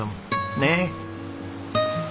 ねえ！